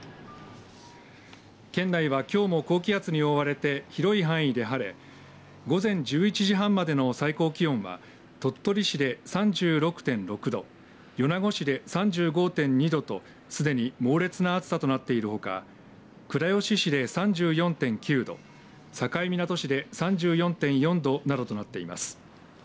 県内はきょうも高気圧に覆われて広い範囲で晴れ午前１１時半までの最高気温は鳥取市で３６．６度米子市で３５．２度とすでに猛烈な暑さとなっているほか倉吉市で３４．９度境港市で３４．４度などとなっています。